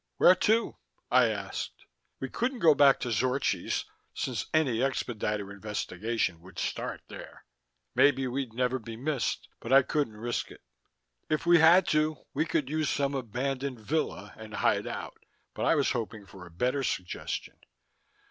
"Where to?" I asked. We couldn't go back to Zorchi's, since any expediter investigation would start there. Maybe we'd never be missed, but I couldn't risk it. If we had to, we could use some abandoned villa and hide out, but I was hoping for a better suggestion.